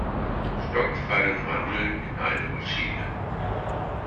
Stock fallen Mandeln in eine Maschine.